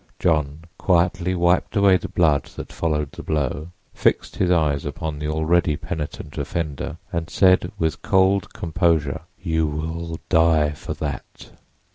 John quietly wiped away the blood that followed the blow, fixed his eyes upon the already penitent offender and said with cold composure, "You will die for that."